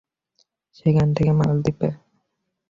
সেখান থেকে মালদ্বীপে।